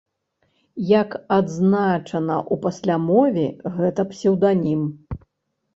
Як адзначана ў паслямове, гэта псеўданім.